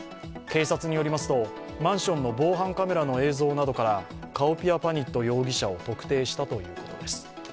警察によりますと、マンションの防犯カメラの映像などからカオピアパニット容疑者を特定したということです。